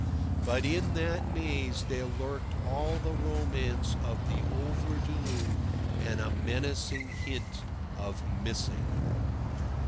But in that maze there lurked all the romance of the "overdue" and a menacing hint of "missing."